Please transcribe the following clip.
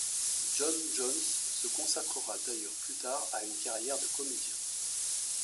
John Jones se consacrera d'ailleurs plus tard à une carrière de comédien.